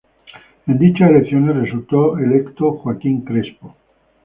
En dichas Elecciones resultó electo Joaquín Crespo.